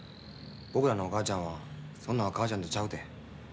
僕らのお母ちゃんはそんなお母ちゃんとちゃうて。